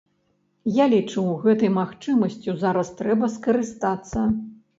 Я лічу, гэтай магчымасцю зараз трэба скарыстацца.